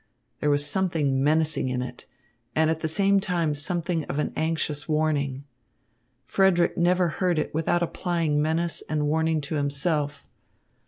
There was something menacing in it, and at the same time something of an anxious warning. Frederick never heard it without applying menace and warning to himself.